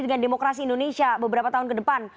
dengan demokrasi indonesia beberapa tahun ke depan